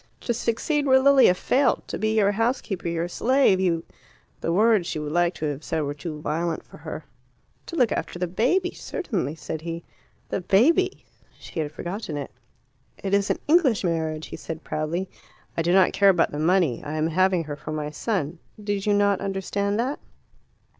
"To succeed where Lilia failed! To be your housekeeper, your slave, you " The words she would like to have said were too violent for her. "To look after the baby, certainly," said he. "The baby ?" She had forgotten it. "It is an English marriage," he said proudly. "I do not care about the money. I am having her for my son. Did you not understand that?"